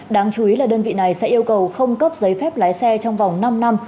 đáng chú ý là đơn vị này sẽ yêu cầu không cấp giấy phép lái xe trong vòng năm năm